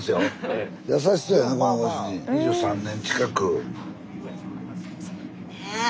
２３年近く。ね。